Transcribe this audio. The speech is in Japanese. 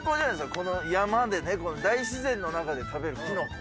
この山でね、この大自然の中で食べるキノコ。